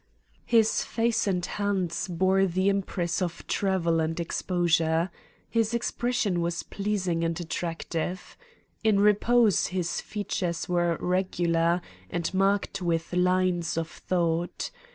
His face and hands bore the impress of travel and exposure. His expression was pleasing and attractive. In repose his features were regular, and marked with lines of thought.